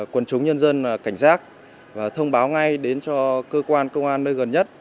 quân chống nhân dân cảnh giác và thông báo ngay đến cho cơ quan công an nơi gần nhất